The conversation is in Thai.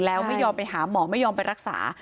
แล้วไม่ยอมไปหาหมอไม่ยอมไปรักษา